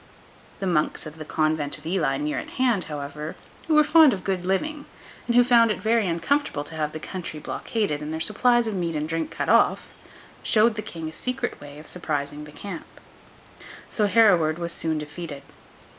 The monks of the convent of Ely near at hand, however, who were fond of good living, and who found it very uncomfortable to have the country blockaded and their supplies of meat and drink cut off, showed the King a secret way of surprising the camp. So Hereward was soon defeated.